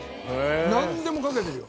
なんでもかけてるよ。